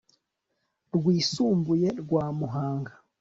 rwisumbuye rwa muhanga